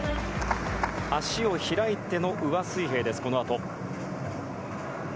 足を開いての上水平です、このあと。